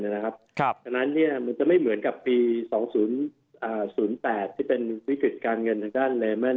เพราะฉะนั้นมันจะไม่เหมือนกับปี๒๐๘ที่เป็นวิกฤติการเงินทางด้านเลแมน